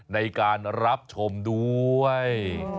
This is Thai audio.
ในการรับชมด้วย